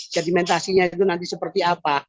sedimentasinya itu nanti seperti apa